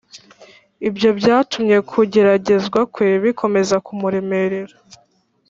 ibyo byatumye kugeragezwa kwe bikomeza kumuremerera